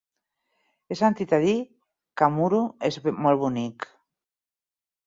He sentit a dir que Muro és molt bonic.